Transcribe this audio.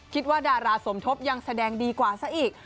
คิดว่าดาราสมทบยังแสดงดีกว่าซะอีก